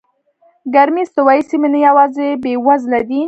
ګرمې استوایي سیمې نه یوازې بېوزله دي.